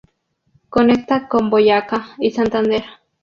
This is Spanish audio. Conecta con Boyacá y Santander.